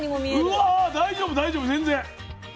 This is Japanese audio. うわ大丈夫大丈夫全然。